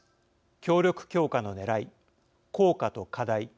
協力強化のねらい効果と課題